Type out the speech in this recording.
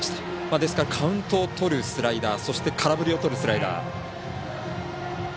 ですから、カウントをとるスライダーそして空振りをとるスライダー。